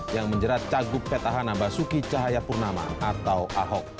yang menjerat cagupet ahana basuki cahayapurnama atau ahok